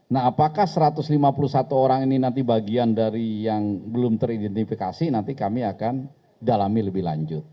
nah apakah satu ratus lima puluh satu orang ini nanti bagian dari yang belum teridentifikasi nanti kami akan dalami lebih lanjut